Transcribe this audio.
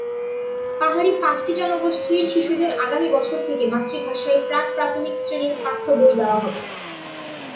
পাহাড়ি পাঁচটি জনগোষ্ঠীর শিশুদের আগামী বছর থেকে মাতৃভাষায় প্রাক্-প্রাথমিক শ্রেণির পাঠ্যবই দেওয়া হবে।